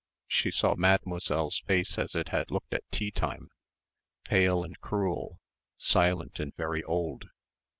She saw Mademoiselle's face as it had looked at tea time, pale and cruel, silent and very old.